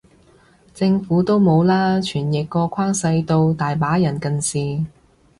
政府都冇啦，傳譯個框細到，大把人近視